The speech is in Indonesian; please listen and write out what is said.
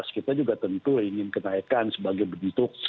kita juga tentu ingin kenaikan sebagai bentuk